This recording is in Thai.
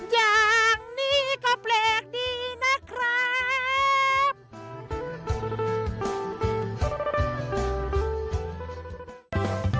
อย่างนี้ก็แปลกดีนะครับ